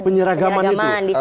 penyeragaman di semua daerah